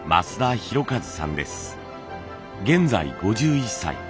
現在５１歳。